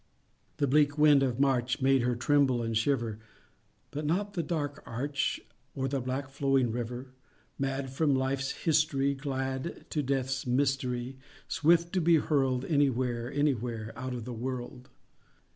The bleak wind of March Made her tremble and shiver, But not the dark arch, Or the black flowing river: Mad from life's history, Glad to death's mystery, Swift to be hurl'd— Anywhere, anywhere Out of the world!